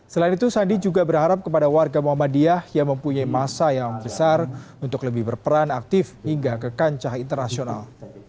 selain itu sandi juga berharap kepada warga muhammadiyah yang mempunyai masa yang besar untuk lebih berperan aktif hingga ke kancah internasional